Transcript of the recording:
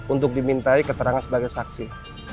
untuk dimintai keterangan sebagai saksi